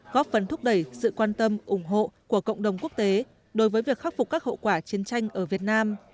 góp phần thúc đẩy sự quan tâm ủng hộ của cộng đồng quốc tế đối với việc khắc phục các hậu quả chiến tranh ở việt nam